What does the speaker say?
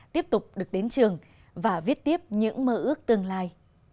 tiếp tục được đến trường và viết tiếp những mơ ước tương lai